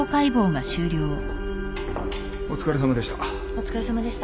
お疲れさまでした。